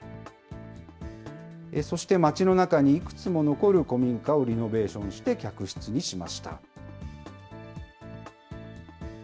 そして街の中にいくつも残る古民家をリノベーションして、客室にしました。